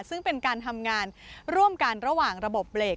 ซึ่งเป็นการทำงานร่วมกันระหว่างระบบเบรก